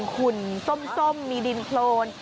คุณส้มมีดินโครน